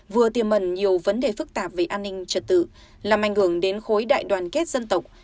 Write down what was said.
vừa tiềm mẩn nhiều vấn đề phức tạp về an ninh trật tự làm ảnh hưởng đến khối đại đoàn kết dân tộc